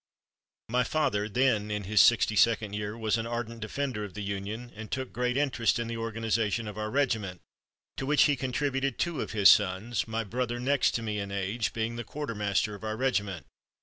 My father, then in his sixty second year, was an ardent defender of the Union, and took great interest in the organization of our regiment, to which he contributed two of his sons, my brother, next to me in age, being the quartermaster of our regiment.